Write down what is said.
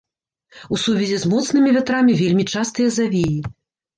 У сувязі з моцнымі вятрамі вельмі частыя завеі.